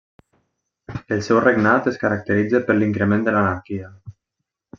El seu regnat es caracteritza per l'increment de l'anarquia.